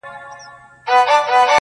زه د سر په بدله ترې بوسه غواړم،